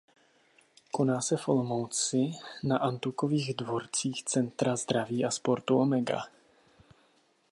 Koná se v Olomouci na antukových dvorcích Centra zdraví a sportu Omega.